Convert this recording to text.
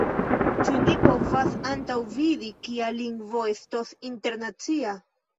Ĉu ni povas antaŭvidi, kia lingvo estos internacia?